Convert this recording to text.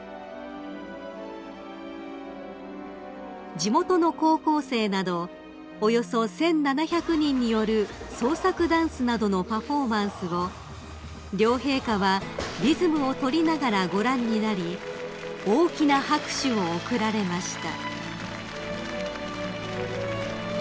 ［地元の高校生などおよそ１，７００人による創作ダンスなどのパフォーマンスを両陛下はリズムをとりながらご覧になり大きな拍手を送られました］